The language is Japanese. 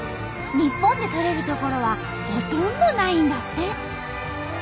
日本で採れる所はほとんどないんだって。